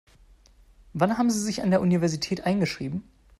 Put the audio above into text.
Wann haben Sie sich an der Universität eingeschrieben?